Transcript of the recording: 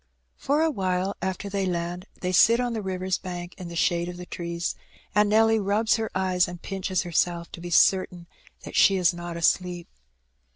For awhile after they land they sit on the river's bank in the shade of the trees, and Nelly rubs her eyes and pinches herself, to be certain that she is not asleep.